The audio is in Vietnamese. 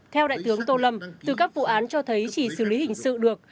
theo đại tướng tô lâm từ các vụ án cho thấy chỉ xử lý hình sự được